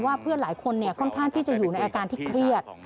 เพื่อนหลายคนค่อนข้างที่จะอยู่ในอาการที่เครียด